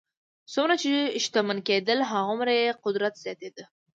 څومره چې شتمن کېدل هغومره یې قدرت زیاتېده.